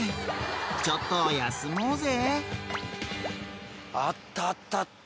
ちょっと休もうぜ。